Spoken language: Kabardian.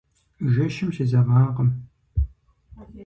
Жэщым сезэгъакъым.